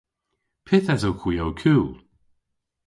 Pyth esowgh hwi ow kul?